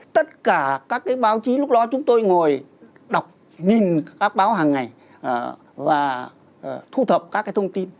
tất cả các cái báo chí lúc đó chúng tôi ngồi đọc nhìn các báo hàng ngày và thu thập các cái thông tin